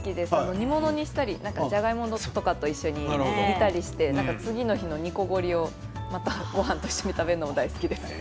煮物にしたりじゃがいもとかと一緒に煮たりして次の日の煮こごりを、ごはんと一緒に食べるのも大好きです。